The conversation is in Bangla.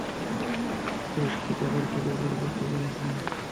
পুলিশ কি তাদের খুঁজে বের করতে পেরেছে?